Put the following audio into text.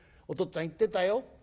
お父っつぁん言ってたよ。